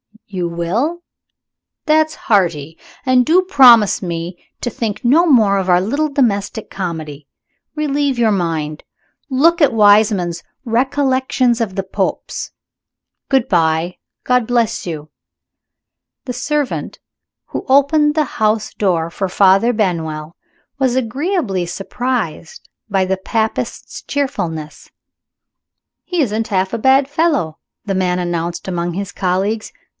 You will? That's hearty! And do promise me to think no more of our little domestic comedy. Relieve your mind. Look at Wiseman's 'Recollections of the Popes.' Good by God bless you!" The servant who opened the house door for Father Benwell was agreeably surprised by the Papist's cheerfulness. "He isn't half a bad fellow," the man announced among his colleagues.